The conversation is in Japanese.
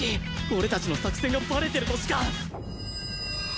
俺たちの作戦がバレてるとしか